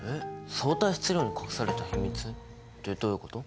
相対質量の隠された秘密ってどういうこと？